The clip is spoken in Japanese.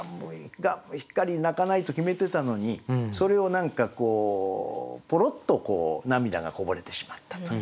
しっかり泣かないと決めてたのにそれを何かこうポロッと涙がこぼれてしまったと。